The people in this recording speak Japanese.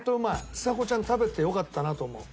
ちさ子ちゃん食べてよかったなと思う。